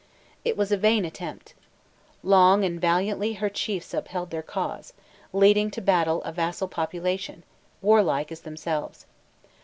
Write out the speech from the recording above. It was a vain attempt. Long and valiantly her chiefs upheld their cause, leading to battle a vassal population, warlike as themselves.